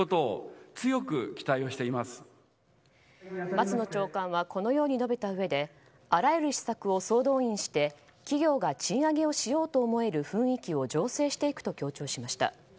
松野長官はこのように述べたうえであらゆる施策を総動員して企業が賃上げしようと思える雰囲気を醸成していくと強調しました。